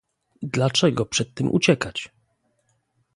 Dlaczego przed tym uciekać?